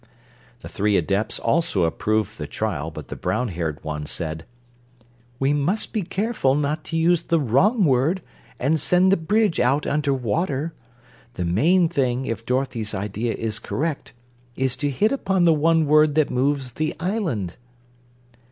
The three Adepts also approved the trial but the brown haired one said: "We must be careful not to use the wrong word, and send the bridge out under water. The main thing, if Dorothy's idea is correct, is to hit upon the one word that moves the island."